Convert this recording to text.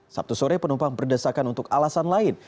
sabtu sore penumpang berdesakan untuk alasan lain